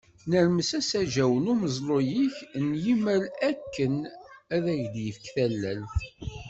Nermes asaǧǧaw n umeẓlu-ik n yimayl akken ad ak-d-yefk tallelt.